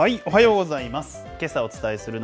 おはようございます。